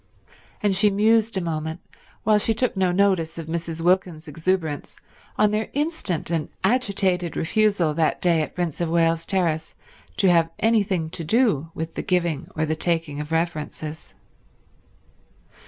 And she mused a moment, while she took no notice of Mrs. Wilkins's exuberance, on their instant and agitated refusal that day at Prince of Wales Terrace to have anything to do with the giving or the taking of references.